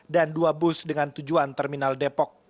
dan dua bus dengan tujuan terminal depok